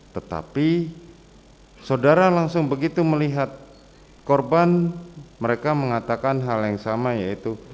tetapi saudara langsung begitu melihat korban mereka mengatakan hal yang sama yaitu